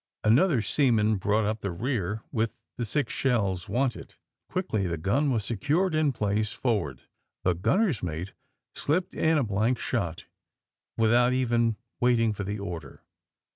Another seaman brought up the rear with the six shells wanted. Quickly the gun was secured in place for ward. The gunner's mate slipped in a blank shot without even waiting for the order.